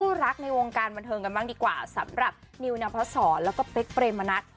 ผู้รักในวงการบรรเทิงกันบ้างดีกว่าสำหรับนิวนัพสรและเป๊กเปรมมณัก